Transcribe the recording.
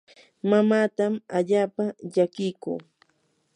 mamaatam allaapa llakiyku.